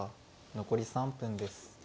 残り３分です。